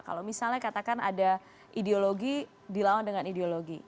kalau misalnya katakan ada ideologi dilawan dengan ideologi